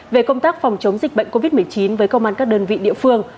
về công tác phòng chống dịch bệnh covid một mươi chín với công an các đơn vị địa phương